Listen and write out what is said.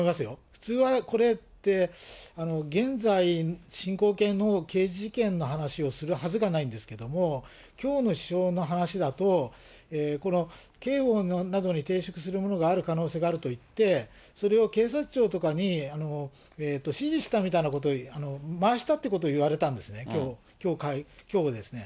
普通はこれって、現在進行形の刑事事件の話をするはずがないんですけども、きょうの首相の話だと、この刑法などに抵触するものがある可能性があると言って、それを検察庁とかに指示したみたいなことを、回したってことを言われたんですね、きょう、きょうですね。